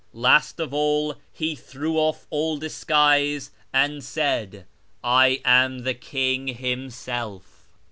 Last of all he threw off all disguise and said, ' I am the king himself.'